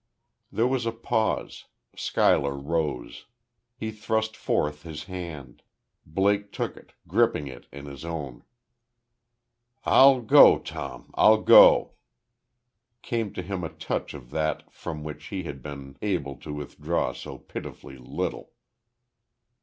There was a pause. Schuyler rose. He thrust forth his hand. Blake took it, gripping it in his own. "I'll go, Tom. I'll go." Came to him a touch of that from which he had been able to withdraw so pitifully little.